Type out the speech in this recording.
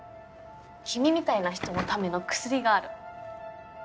君みたいな人のための薬がある。